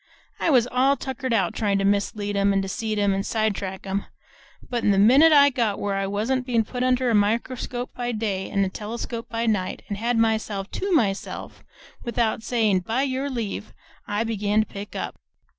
I was all tuckered out tryin' to mislead 'em and deceive 'em and sidetrack 'em; but the minute I got where I wa'n't put under a microscope by day an' a telescope by night and had myself TO myself without sayin' 'By your leave,' I begun to pick up.